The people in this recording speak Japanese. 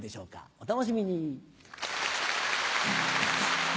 お楽しみに。